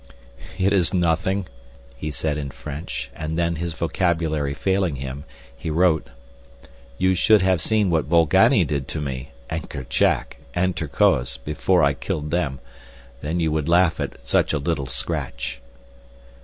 "It is nothing," he said in French, and then, his vocabulary failing him, he wrote: You should have seen what Bolgani did to me, and Kerchak, and Terkoz, before I killed them—then you would laugh at such a little scratch.